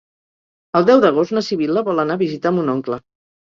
El deu d'agost na Sibil·la vol anar a visitar mon oncle.